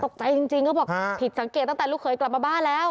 ตกใจจริงก็บอกผิดสังเกตตั้งแต่ลูกเขยกลับมาบ้านแล้ว